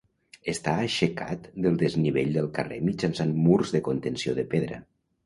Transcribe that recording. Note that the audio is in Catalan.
Està aixecat del desnivell del carrer mitjançant murs de contenció de pedra.